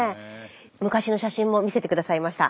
昔の写真も見せて下さいました。